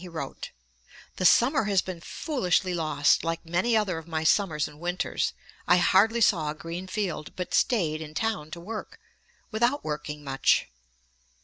17 he wrote: 'The summer has been foolishly lost, like many other of my summers and winters. I hardly saw a green field, but staid in town to work, without working much.'